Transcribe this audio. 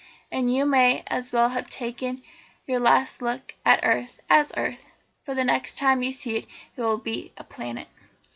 And you may as well take your last look at earth as earth, for the next time you see it it will be a planet."